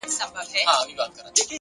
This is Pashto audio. صادق زړه کمې پښېمانۍ لري!